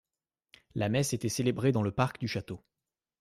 La messe était célébrée dans le parc du château.